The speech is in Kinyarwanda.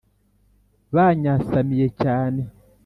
Banyasamiye cyane .